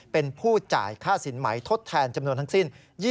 เป็นผู้จ่ายค่าสินไหมทดแทนจำนวนทั้งสิ้น